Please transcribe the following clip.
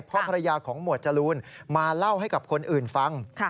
เพราะภรรยาของหมวดจรูนมาเล่าให้กับคนอื่นฟัง